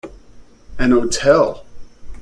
An hotel.